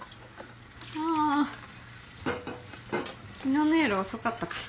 あ昨日の夜遅かったから。